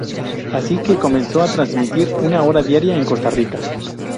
Es así que se comenzó a transmitir una hora diaria en Costa Rica.